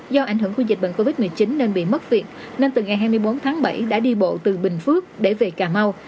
do ảnh hưởng của dịch bệnh covid một mươi chín nên bị mất việc nên từ ngày hai mươi bốn tháng bảy đã đi bộ từ bình phước để về cà mau